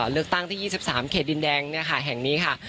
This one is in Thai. เลือกตั้งที่๒๓เขตดินแดงแห่งนี้ค่ะ